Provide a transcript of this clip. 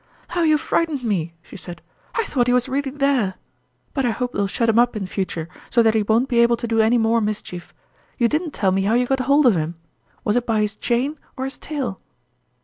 " How you frightened me !" she said. " I thought he was really there! But I hope they'll shut him up in future, so that he won't be able to do any more mischief. You didn't tell me how you got hold of him. Was it by his chain or his tail